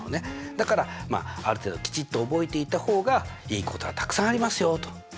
だからある程度きちっと覚えていた方がいいことがたくさんありますよと。